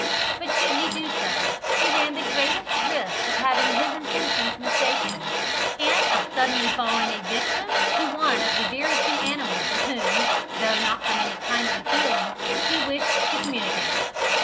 But, should he do so, he ran the greatest risk of having his intentions mistaken, and of suddenly falling a victim to one of the very two animals with whom (though not from any kindly feeling) he wished to communicate.